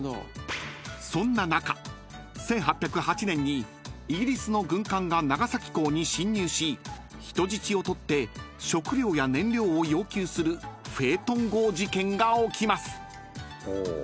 ［そんな中１８０８年にイギリスの軍艦が長崎港に侵入し人質をとって食料や燃料を要求するフェートン号事件が起きます］